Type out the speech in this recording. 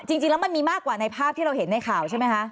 จริงแล้วมันมีมากกว่าในภาพที่เราเห็นในข่าวใช่ไหมคะ